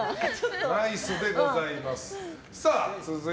ナイスでございます。